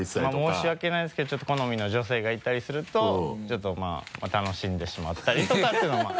申し訳ないんですけどちょっと好みの女性がいたりするとちょっとまぁ楽しんでしまったりとかっていうのはまぁ。